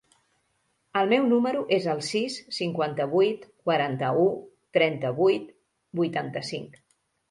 El meu número es el sis, cinquanta-vuit, quaranta-u, trenta-vuit, vuitanta-cinc.